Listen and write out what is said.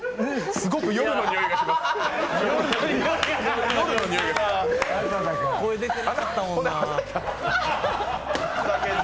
すごく夜のにおいがする。